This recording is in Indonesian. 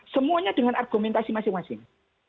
semuanya dengan argumentasi masing masing